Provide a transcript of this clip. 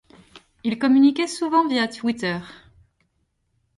Il communiquait souvent via Twitter.